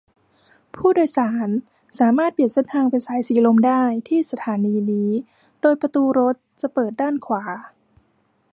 ผู้โดยสารสามารถเปลี่ยนเส้นทางไปสายสีลมได้ที่สถานีนี้ โดยประตูรถจะเปิดด้านขวา